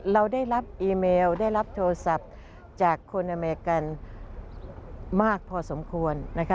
เราได้รับอีเมลได้รับโทรศัพท์จากคนอเมริกันมากพอสมควร